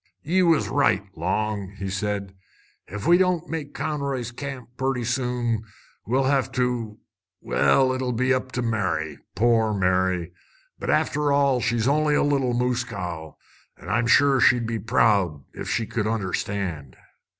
"Ye was right, Long," said he. "Ef we don't make Conroy's Camp purty soon, we'll hev to well, it'll be up to Mary! Poor Mary! But, after all, she's only a little moose cow. An' I'm sure she'd be proud, ef she could understand!"